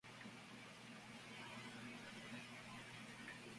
Su primer trabajó lo recibió en Esslingen am Neckar.